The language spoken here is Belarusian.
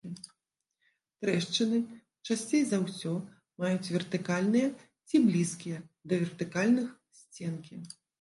Трэшчыны часцей за ўсё маюць вертыкальныя, ці блізкія да вертыкальных сценкі.